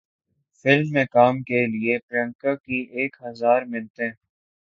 film میں کام کیلئے پریانکا کی ایک ہزار منتیں